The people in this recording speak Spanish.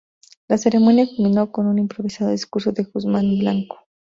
La ceremonia culminó con un improvisado discurso de Guzmán Blanco.